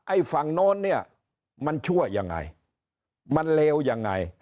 ไอ้ฝั่งโน้นเนี่ยมันชั่วยังไงมันเลวยังไง